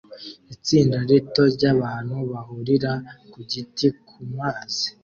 Itsinda rito ryabantu bahurira ku giti kumazi